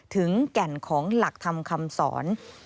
แก่นของหลักธรรมคำสอน